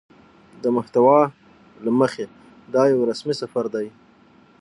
د محتوا له مخې دا يو رسمي سفر دى